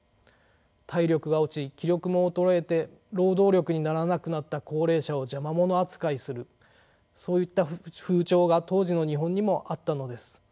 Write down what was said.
体力が落ち気力も衰えて労働力にならなくなった高齢者を邪魔者扱いするそういった風潮が当時の日本にもあったのです。